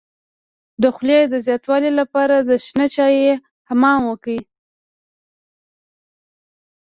د خولې د زیاتوالي لپاره د شنه چای حمام وکړئ